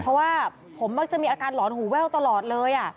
เพราะว่าผมมักจะมีอาการหลอนหูแว่วตลอดเลย